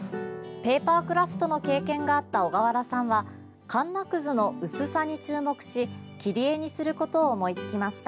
ペーパークラフトの経験があった小河原さんはかんなくずの薄さに注目し木り絵にすることを思いつきました。